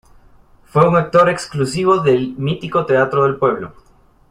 Fue un actor exclusivo del mítico Teatro del Pueblo.